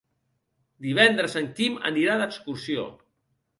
Divendres en Quim anirà d'excursió.